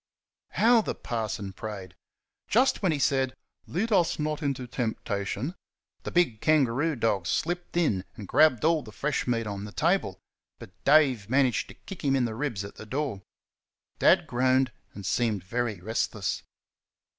How the parson prayed! Just when he said "Lead us not into temptation" the big kangaroo dog slipped in and grabbed all the fresh meat on the table; but Dave managed to kick him in the ribs at the door. Dad groaned and seemed very restless.